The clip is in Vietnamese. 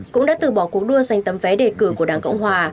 cũng đã từ bỏ cuộc đua dành tấm vé đề cử của đảng cộng hòa